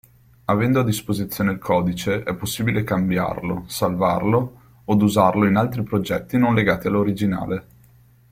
Avendo a disposizione il codice è possibile cambiarlo, salvarlo od usarlo in altri progetti non legati all'originale.